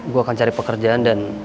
gue akan cari pekerjaan dan